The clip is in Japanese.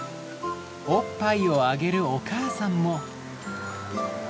おっぱいをあげるお母さんも。